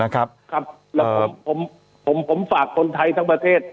นะครับครับแล้วผมผมผมผมฝากคนไทยทั้งประเทศ